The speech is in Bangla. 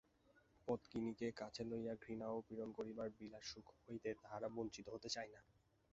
পাতকিনীকে কাছে লইয়া ঘৃণা ও পীড়ন করিবার বিলাসসুখ হইতে তাহারা বঞ্চিত হইতে চায় না।